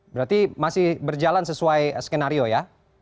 berarti masih berjalan sesuai skenario ya